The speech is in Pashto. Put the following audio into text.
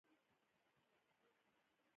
ښایست د زړه ژور ساه ده